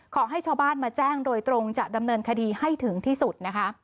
ขอให้ชาวบ้านมาแจ้งโดยตรงจะดำเนินคดีให้ถึงที่สุดนะคะ